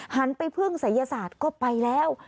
หันไปพึ่งศัยศาสตร์ก็ไปแล้ว